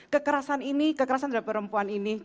kekerasan ini kekerasan terhadap perempuan ini